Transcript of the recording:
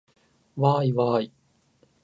わーいわーい